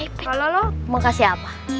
kalau lolo mau kasih apa